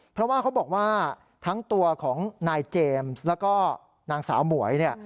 เพราะว่าเขาบอกว่าทั้งตัวของนายเจมส์แล้วก็นางสาวหมวยเนี่ย